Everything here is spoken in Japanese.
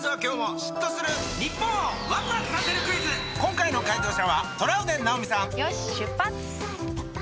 今回の解答者はトラウデン直美さんよし出発！